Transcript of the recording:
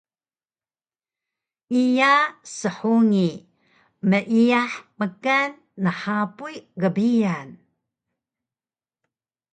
Iya shungi meiyah mkan nhapuy gbiyan